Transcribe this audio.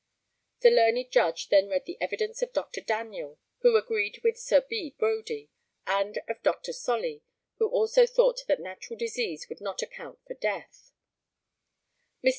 [The learned Judge then read the evidence of Dr. Daniel, who agreed with Sir B. Brodie, and of Dr. Solly, who also thought that natural disease would not account for death.